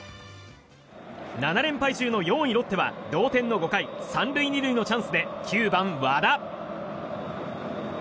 ７連敗中の４位ロッテは同点の５回３塁２塁のチャンスで９番、和田。